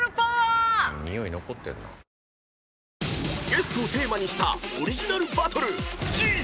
［ゲストをテーマにしたオリジナルバトル］